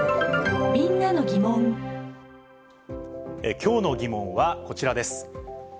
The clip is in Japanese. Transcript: きょうのギモンはこちらです。